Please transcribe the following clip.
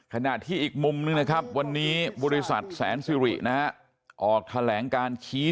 ขณะที่อีกมุมนึงนะครับวันนี้บริษัทแสนสิรินะฮะออกแถลงการชี้